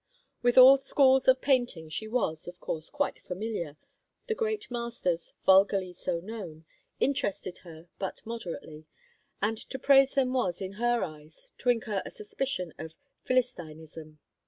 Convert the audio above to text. With all schools of painting she was, of course, quite familiar; the great masters vulgarly so known interested her but moderately, and to praise them was, in her eyes, to incur a suspicion of philistinism.